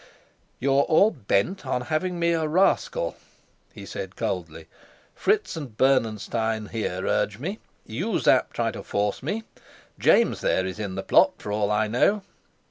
"You're all bent on having me a rascal," he said coldly. "Fritz and Bernenstein here urge me; you, Sapt, try to force me. James, there, is in the plot, for all I know."